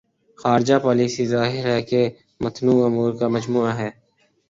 خارجہ پالیسی ظاہر ہے کہ متنوع امور کا مجموعہ ہے۔